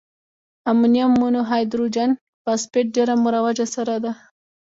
امونیم مونو هایدروجن فاسفیټ ډیره مروجه سره ده.